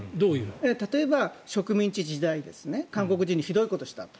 例えば、植民地時代韓国人にひどいことをしたと。